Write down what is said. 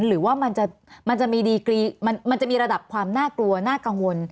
หรือว่ามันจะมีระดับความน่ากลัวน่ากังวล